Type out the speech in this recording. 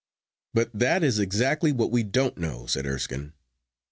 'But that is exactly what we don't know,' said Erskine.